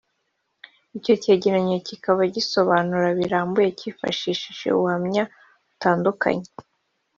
Icyo cyegeranyo kikaba gisobanura birambuye kifashishije ubuhamya butandukanye